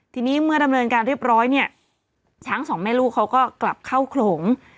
ทีนี้เมื่อดำเนินการเรียบร้อยเนี่ยช้างสองแม่ลูกเขาก็กลับเข้าโขลง